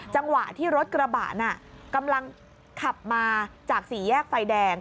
จังหวะที่รถกระบะน่ะกำลังขับมาจากสี่แยกไฟแดง